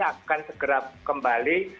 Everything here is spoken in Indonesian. akan segera kembali